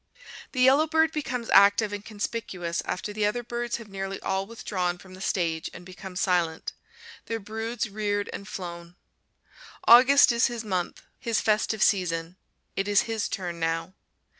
The yellowbird becomes active and conspicuous after the other birds have nearly all withdrawn from the stage and become silent, their broods reared and flown. August is his month, his festive season. It is his turn now.